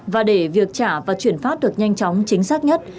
và để việc trả và chuyển phát được nhanh chóng chính xác nhất